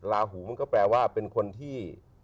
ลาหูมันก็แปลว่าเป็นคนที่